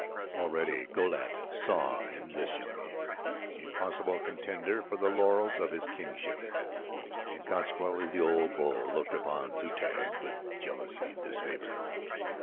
Already Go lat saw in this young ape a possible contender for the laurels of his kingship and consequently the old bull looked upon Zu tag with jealousy and disfavor.